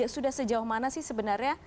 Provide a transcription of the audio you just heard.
sudah sejauh mana sih sebenarnya